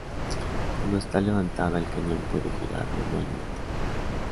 Cuando está levantada, el cañón puede girar manualmente.